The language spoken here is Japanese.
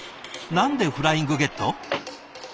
何で「フライングゲット」？